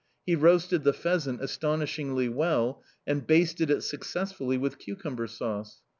He roasted the pheasant astonishingly well and basted it successfully with cucumber sauce.